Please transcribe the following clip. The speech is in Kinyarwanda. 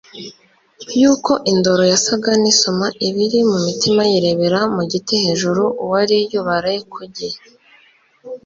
yuko indoro yasaga n'isoma ibiri mu mitima yirebera mu giti hejuru uwari yubaraye ku gi;